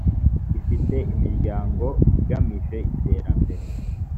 ifite imiryango igamije iterambere